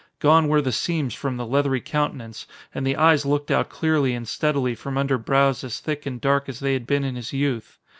Gone were the seams from the leathery countenance and the eyes looked out clearly and steadily from under brows as thick and dark as they had been in his youth.